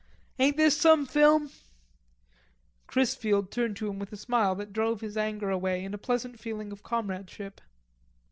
"Ain't this some film?" Chrisfield turned to him with a smile that drove his anger away in a pleasant feeling of comradeship.